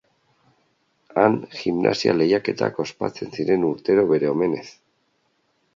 Han, gimnasia lehiaketak ospatzen ziren urtero bere omenez.